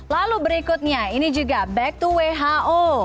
lalu berikutnya ini juga back to who